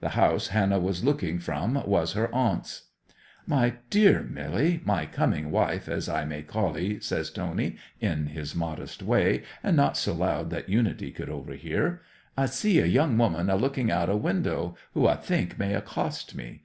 The house Hannah was looking from was her aunt's. '"My dear Milly—my coming wife, as I may call 'ee," says Tony in his modest way, and not so loud that Unity could overhear, "I see a young woman alooking out of window, who I think may accost me.